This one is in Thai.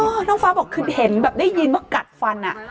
น้องฟ้าบอกคือเห็นแบบได้ยินว่ากัดฟันอ่ะ